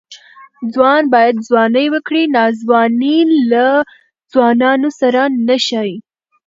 ځوان باید ځواني وکړي؛ ناځواني له ځوانانو سره نه ښايي.